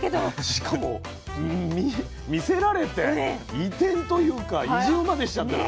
しかも魅せられて移転というか移住までしちゃってる。